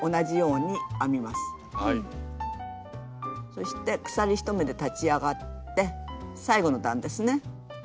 そして鎖１目で立ち上がって最後の段ですね